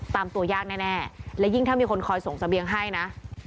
ตามตัวยากแน่และยิ่งถ้ามีคนคอยส่งเสบียงให้นะ